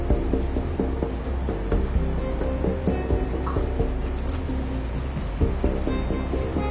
あっ。